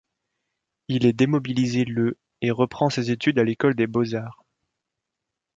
Il est démobilisé le et reprend ses études à l'École des Beaux-Arts.